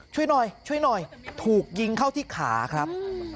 ช่วยหน่อยถูกยิงเข้าที่ขาครับ